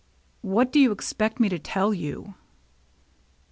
" What do you expect me to tell you